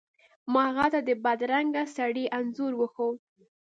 ما هغه ته د بدرنګه سړي انځور وښود.